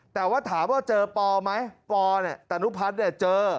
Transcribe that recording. แต่ว่าถามว่าเจอปอล์ไหมปอล์เนี่ยแต่นุพัฒน์เนี่ยเจอ